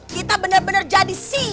kita bener bener jadi sial